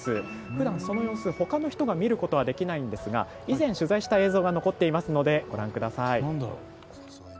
ふだん、その様子を他の人が見ることはできないんですが以前取材した映像が残っておりますのでご覧ください。